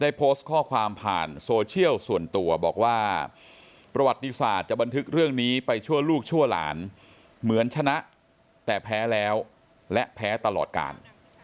โพสต์ข้อความผ่านโซเชียลส่วนตัวบอกว่าประวัติศาสตร์จะบันทึกเรื่องนี้ไปชั่วลูกชั่วหลานเหมือนชนะแต่แพ้แล้วและแพ้ตลอดการ